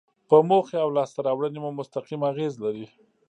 په موخې او لاسته راوړنې مو مستقیم اغیز لري.